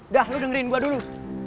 dah lo dengerin gue dulu